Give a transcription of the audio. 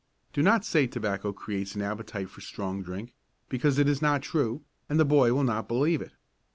Do not say tobacco creates an appetite for strong drink, because it is not true, and the boy will not believe it.